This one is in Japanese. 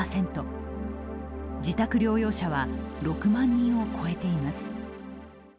自宅療養者は６万人を超えています